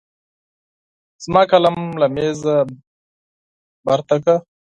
زما قلم له مېزه بېرته کړه.